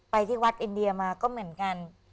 ที่วัดอินเดียมาก็เหมือนกัน